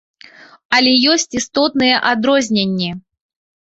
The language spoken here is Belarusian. Але ёсць істотныя адрозненні.